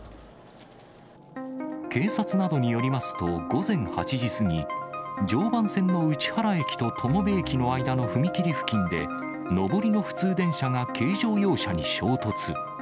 警察などによりますと、午前８時過ぎ、常磐線の内原駅と友部駅の間の踏切付近で、上りの普通電車が軽乗用車に衝突。